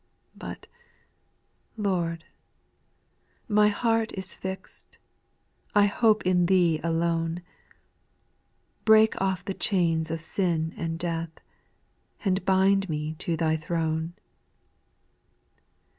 4. But, Lord, my heart is fixed, I hope in Thee alone ; Break ofl* the chains of sin and death, And bind me to Thy throne.